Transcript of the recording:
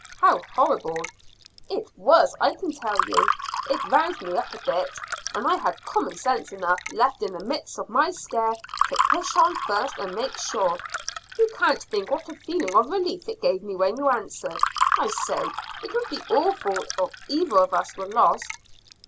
"How horrible!" "It was, I can tell you. It roused me up a bit, and I had common sense enough left in the midst of my scare to push on first and make sure. You can't think what a feeling of relief it gave me when you answered. I say, it would be awful if either of us were lost."